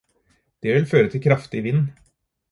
Det vil føre til kraftig vind.